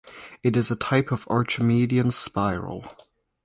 It is a type of Archimedean spiral.